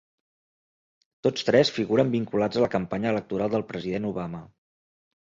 Tots tres figuren vinculats a la campanya electoral del president Obama.